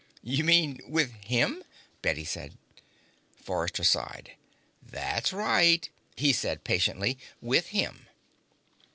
"You mean with him?" Bette said. Forrester sighed. "That's right," he said patiently. "With him."